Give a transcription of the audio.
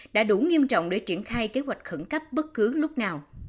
đã đủ nghiêm trọng để triển khai kế hoạch khẩn cấp bất cứ lúc nào